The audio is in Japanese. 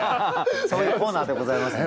そういうコーナーでございますので。